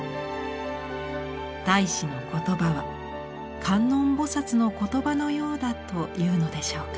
太子の言葉は観音菩の言葉のようだというのでしょうか。